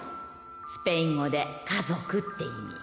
スペイン語で「家族」って意味。